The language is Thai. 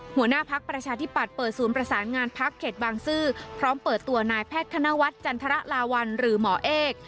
หัวหน้าพักประชาธิปัตย์เปิดศูนย์ประสานงานพักเขตบางซื่อพร้อมเปิดตัวนายแพทย์ธนวัฒน์จันทรลาวัลหรือหมอเอก